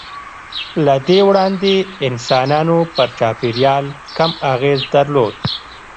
له دې وړاندې انسانانو پر چاپېریال کم اغېز درلود.